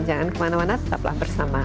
jangan kemana mana tetaplah bersama